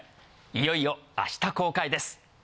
いよいよ明日公開です。